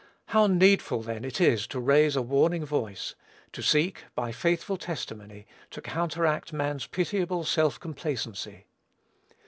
How needful, then, it is to raise a warning voice, to seek, by faithful testimony, to counteract man's pitiable self complacency.